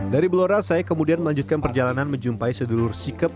dari belora saya kemudian melanjutkan perjalanan menjumpai sedulur sikep